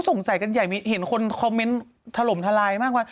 สงสัยกันใหญ่เห็นคอมเม้นทวนถล่มทลายมากกว่า